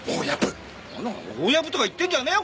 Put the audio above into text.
お前大ヤブとか言ってんじゃねえよ！